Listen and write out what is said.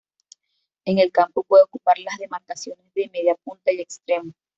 En el campo puede ocupar las demarcaciones de mediapunta y extremo.